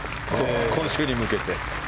今週に向けて。